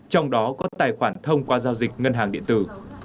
trong đó có tài khoản thông qua giao dịch ngân hàng điện tử